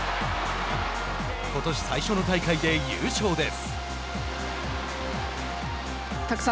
ことし最初の大会で優勝です。